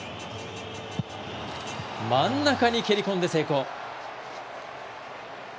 真ん中に蹴り込んで成功。